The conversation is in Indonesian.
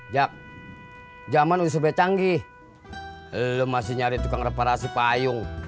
jak jaman udah sobat canggih lu masih nyari tukang reparasi payung